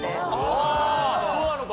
ああそうなのか！